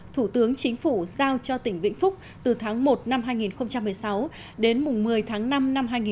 thủ tướng chính phủ giao cho tỉnh vĩnh phúc từ tháng một năm hai nghìn một mươi sáu đến mùng một mươi tháng năm năm hai nghìn một mươi chín